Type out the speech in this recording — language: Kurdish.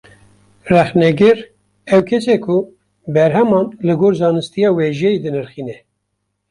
Rexnegir, ew kes e ku berheman, li gor zanistiya wêjeyî dinirxîne